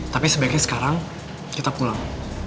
tapi sebaiknya sekarang kita pulang